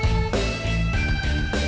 yaudah kalau gitu